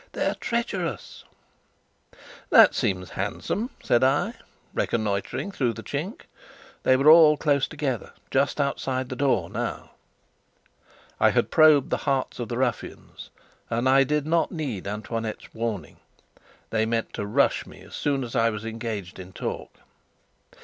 "They are treacherous." "That seems handsome," said I, reconnoitering through the chink. They were all close together, just outside the door now. I had probed the hearts of the ruffians, and I did not need Antoinette's warning. They meant to "rush" me as soon as I was engaged in talk.